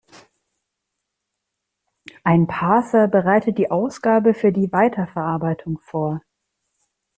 Ein Parser bereitet die Ausgabe für die Weiterverarbeitung vor.